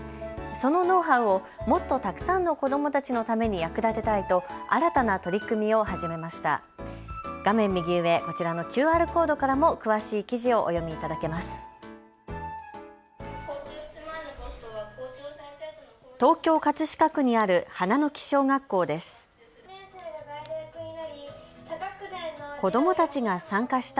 そのノウハウをもっとたくさんの子どもたちのために役立てたいと新たな取り組みを始めました。